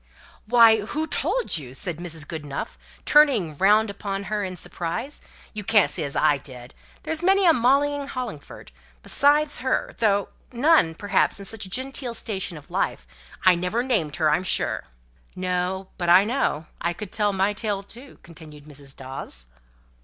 "Why, who told you?" said Mrs. Goodenough, turning round upon her in surprise. "You can't say as I did. There's many a Molly in Hollingford, besides her, though none, perhaps, in such a genteel station in life. I never named her, I'm sure." "No. But I know. I could tell my tale too," continued Mrs. Dawes.